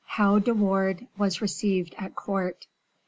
How De Wardes Was Received at Court.